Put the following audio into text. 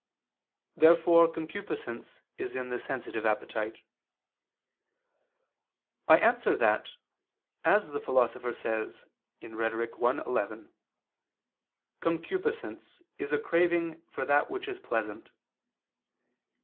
Therefore concupiscence is in the sensitive appetite. I answer that, As the Philosopher says (Rhet. i, 11), "concupiscence is a craving for that which is pleasant."